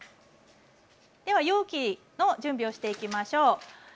では容器の準備をしていきましょう。